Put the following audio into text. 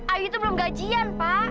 ayu itu belum gajian pak